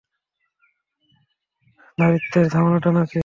নারীত্বের ঝামেলাটা নাকি?